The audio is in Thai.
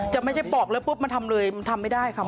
จะไม่ใช่ปอกแล้วปุ๊บมันทำเลยมันทำไม่ได้ค่ะ